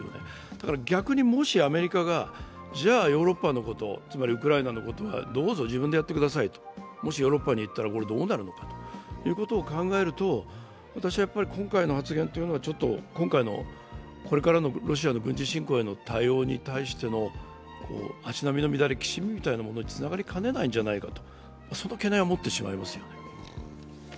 だから逆にもしアメリカがじゃヨーロッパのこと、つまりウクライナのことはどうぞ自分でやってくださいと、もし、ヨーロッパに言ったらどうなるのかということを考えると、私は今回の発言というのは、これからのロシアの軍事侵攻への対応に対しての足並みの乱れ、きしみみたいなものにつながりかねないんじゃないか、その懸念は持ってしまいますよね。